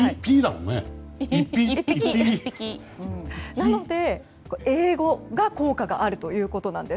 なので英語が効果があるということです。